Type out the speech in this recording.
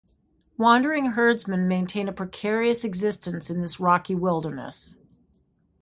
Wandering herdsmen maintain a precarious existence in this rocky wilderness.